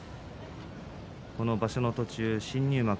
この場所の途中、新入幕